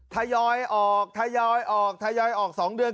ทยอยออกทยอยออกทยอยออก๒เดือน